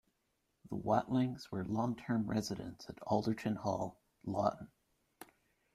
The Watlings were long-term residents at Alderton Hall, Loughton.